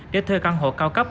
để thuê căn hộ cao cấp